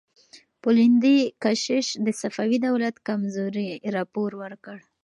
پولندي کشیش د صفوي دولت کمزورۍ راپور ورکړ.